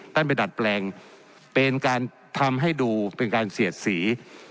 ไปดัดแปลงเป็นการทำให้ดูเป็นการเสียดสี